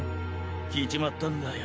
きいちまったんだよ。